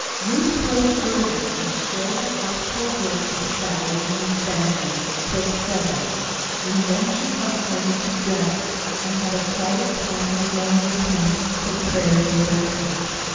Ruth rose early, and shared the household work with Sally and Miss Benson till seven; and then she helped Leonard to dress, and had a quiet time alone with him till prayers and breakfast.